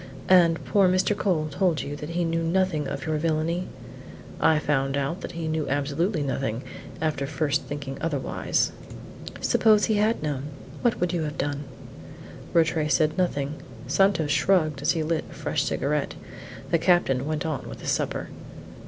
"And poor Mr. Cole told you that he knew nothing of your villany?" "I found out that he knew absolutely nothing after first thinking otherwise." "Suppose he had known? What would you have done?" Rattray said nothing. Santos shrugged as he lit a fresh cigarette. The captain went on with his supper.